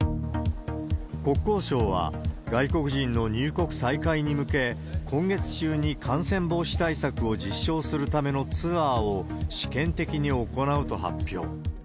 国交省は、外国人の入国再開に向け、今月中に感染防止対策を実証するためのツアーを、試験的に行うと発表。